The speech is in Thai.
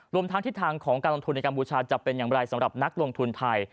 รวมทั้งทิศทางของการลงทุนในกัมพูชาจะเป็นอย่างไรสำหรับนักลงทุนไทย